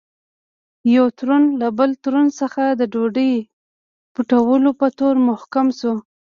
یو تورن له بل تورن څخه د ډوډۍ پټولو په تور محکوم شو.